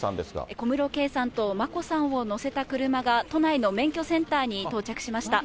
小室圭さんと眞子さんを乗せた車が、都内の免許センターに到着しました。